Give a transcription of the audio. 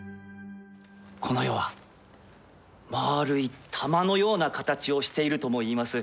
この世は丸い玉のような形をしているともいいます。